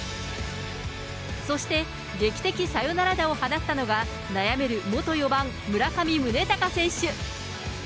そして劇的サヨナラ打を放ったのは、悩める元４番村上宗隆選手。